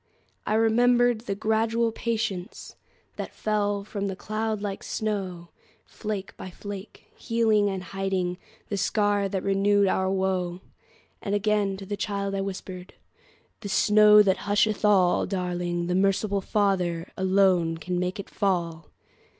I remembered the gradual patienceThat fell from that cloud like snow, Flake by flake, healing and hidingThe scar that renewed our woe. And again to the child I whispered,"The snow that husheth all, Darling, the merciful FatherAlone can make it fall!"